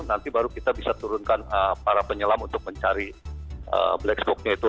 nanti baru kita bisa turunkan para penyelam untuk mencari black spocknya itu